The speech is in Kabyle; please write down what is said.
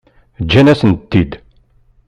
Ǧǧan-asen-tent-id?